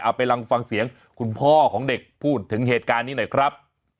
ไปลองฟังเสียงคุณพ่อของเด็กพูดถึงเหตุการณ์นี้หน่อยครับ